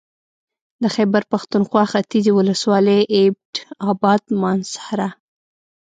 د خېبر پښتونخوا ختيځې ولسوالۍ اېبټ اباد مانسهره